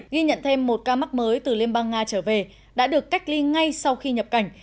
ghi nhận thêm một ca mắc mới từ liên bang nga trở về đã được cách ly ngay sau khi nhập cảnh